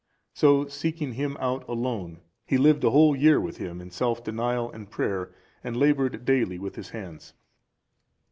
So, seeking him out alone, he lived a whole year with him in self denial and prayer, and laboured daily with his hands.